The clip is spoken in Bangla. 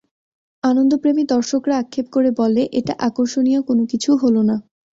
আনন্দপ্রেমী দর্শকরা আক্ষেপ করে বলে, এটা আকর্ষণীয় কোন কিছু হল না।